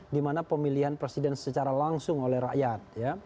di mana pemilihan presiden secara langsung oleh rakyat